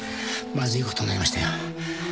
まずいことになりましたよ。